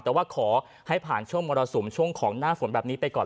แต่ว่าขอให้ผ่านช่วงมรสุมช่วงของหน้าฝนแบบนี้ไปก่อน